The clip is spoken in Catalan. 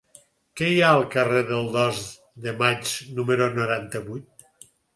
Què hi ha al carrer del Dos de Maig número noranta-vuit?